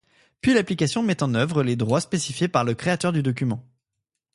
Puis l'application met en œuvre les droits spécifiés par le créateur du document.